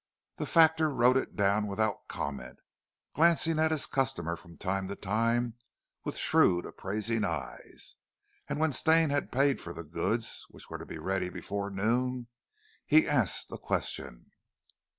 The factor wrote it down without comment, glancing at his customer from time to time with shrewd appraising eyes, and when Stane had paid for the goods which were to be ready before noon, he asked a question.